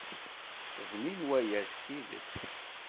Bnin waya s tidet.